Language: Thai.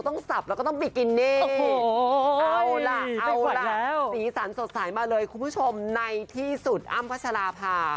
ในที่สุดอ้ำควัชฌาภา